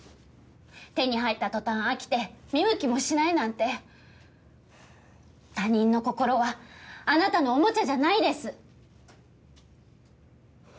手に入った途端飽きて見向きもしないなんて他人の心はあなたのおもちゃじゃないです